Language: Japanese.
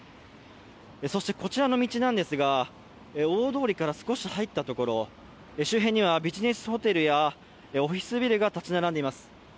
こちらの道なんですが、大通りから少し入ったところ、周辺にはビジネスホテルやオフィスビルが建ち並んでいます。